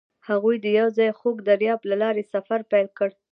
هغوی یوځای د خوږ دریاب له لارې سفر پیل کړ.